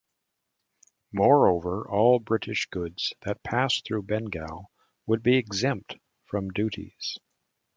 Moreover, all British goods that passed through Bengal would be exempt from duties.